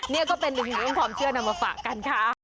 นี่ก็เป็นอีกหนึ่งเรื่องความเชื่อนำมาฝากกันค่ะ